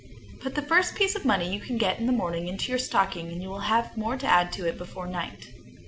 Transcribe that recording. Put the first piece of money you get in the morning into your stocking, and you will have more to add to it before night.